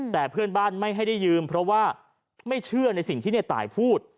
แต่เพื่อนบ้านไม่ให้ได้ยืมเพราะว่าไม่เชื่อในสิ่งที่ในตายพูด